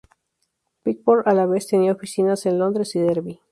Pickford a la vez tenía oficinas en Londres y Derby.